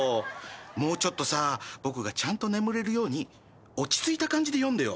もうちょっとさ僕がちゃんと眠れるように落ち着いた感じで読んでよ。